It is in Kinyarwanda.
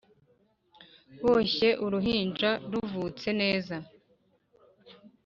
boshye uruhinja ruvutse neza